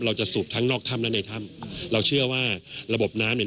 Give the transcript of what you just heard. สูบทั้งนอกถ้ำและในถ้ำเราเชื่อว่าระบบน้ำเนี่ย